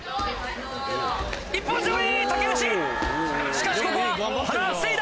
しかしここは塙防いだ。